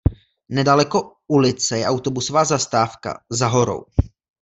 Nedaleko ulice je autobusová zastávka "Za Horou".